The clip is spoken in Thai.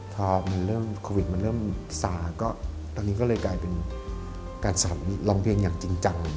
พอมันเริ่มโควิดมันเริ่มซาก็ตอนนี้ก็เลยกลายเป็นการสอนร้องเพลงอย่างจริงจัง